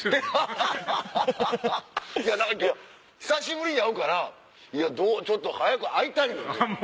だから久しぶりに会うからちょっと早く会いたいんよね。